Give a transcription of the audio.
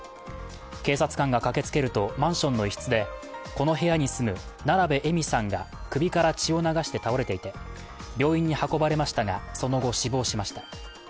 警察官が駆けつけるとマンションの一室でこの部屋に住む奈良部枝美さんが首から血を流して倒れていて、病院に運ばれましたがその後、死亡しました。